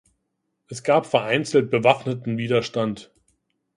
Es gab vereinzelt bewaffneten Widerstand.